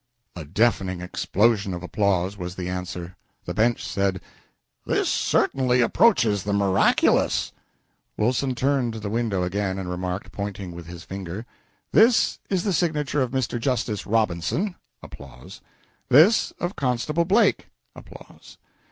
A deafening explosion of applause was the answer. The Bench said "This certainly approaches the miraculous!" Wilson turned to the window again and remarked, pointing with his finger "This is the signature of Mr. Justice Robinson. This, of Constable Blake. [Applause.